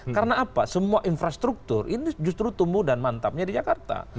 karena apa semua infrastruktur ini justru tumbuh dan mantapnya di jakarta